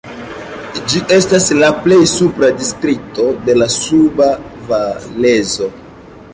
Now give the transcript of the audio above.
Ĝi estas la plej supra distrikto de la Suba Valezo.